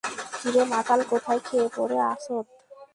কিরে, মাতাল, কোথায় খেয়ে পরে আছোত?